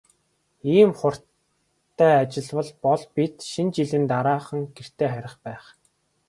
Ийм хурдтай ажиллавал бол бид Шинэ жилийн дараахан гэртээ харих байх.